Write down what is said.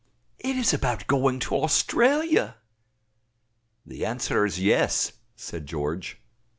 It is about going to Australia." "The answer is yes," said George.